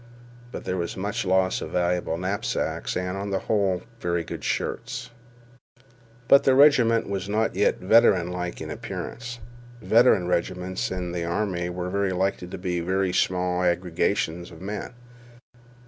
But there was much loss of valuable knapsacks, and, on the whole, very good shirts. But the regiment was not yet veteranlike in appearance. Veteran regiments in the army were likely to be very small aggregations of men.